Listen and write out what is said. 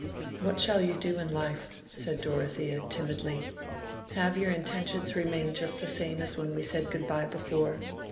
"What shall you do in life?" said Dorothea, timidly. "Have your intentions remained just the same as when we said good by before?"